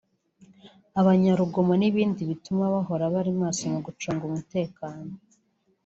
abanyarugomo n’ibindi bituma bahora bari maso mu gucunga umutekano